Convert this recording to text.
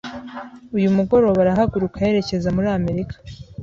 Uyu mugoroba arahaguruka yerekeza muri Amerika.